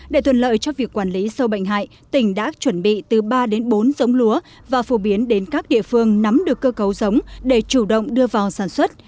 để thuận lợi cho việc quản lý sâu bệnh hại tỉnh đã chuẩn bị từ ba đến bốn giống lúa và phổ biến đến các địa phương nắm được cơ cấu giống để chủ động đưa vào sản xuất